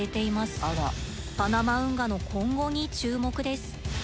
パナマ運河の今後に注目です。